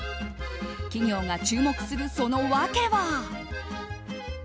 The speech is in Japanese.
企業が注目する、その訳は。